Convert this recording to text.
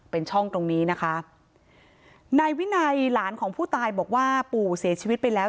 เป็นช่องตรงนี้นะคะนายวินัยหลานของผู้ตายบอกว่าปู่เสียชีวิตไปแล้ว